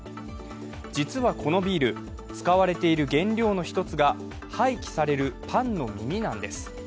実はこのビール、使われている原料の一つが廃棄されるパンの耳なんです。